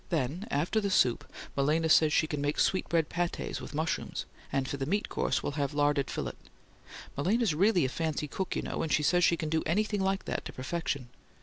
Then, after the soup, Malena says she can make sweetbread pates with mushrooms: and for the meat course we'll have larded fillet. Malena's really a fancy cook, you know, and she says she can do anything like that to perfection.